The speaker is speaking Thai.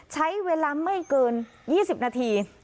ใช้เวลาไม่เกิน๒๐นาที